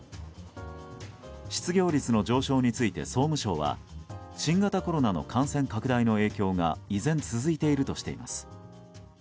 失業率の上昇について総務省は新型コロナの感染拡大の影響が依然、続いているとしています。